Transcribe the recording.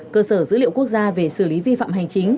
cơ sở dữ liệu quốc gia về xử lý vi phạm hành chính